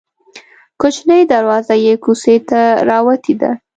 کوچنۍ دروازه یې کوڅې ته راوتې ده.